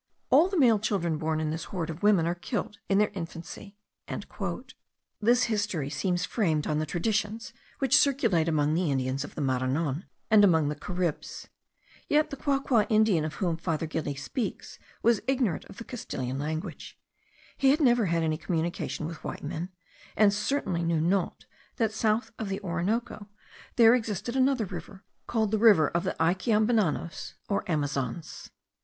All the male children born in this horde of women are killed in their infancy." This history seems framed on the traditions which circulate among the Indians of the Maranon, and among the Caribs; yet the Quaqua Indian, of whom Father Gili speaks, was ignorant of the Castilian language; he had never had any communication with white men; and certainly knew not, that south of the Orinoco there existed another river, called the river of the Aikeambenanos, or Amazons.